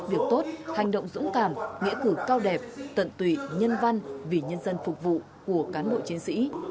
việc tốt hành động dũng cảm nghĩa cử cao đẹp tận tụy nhân văn vì nhân dân phục vụ của cán bộ chiến sĩ